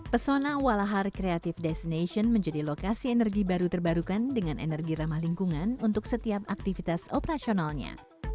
pesona walahar creative destination menjadi lokasi energi baru terbarukan dengan energi ramah lingkungan untuk setiap aktivitas operasionalnya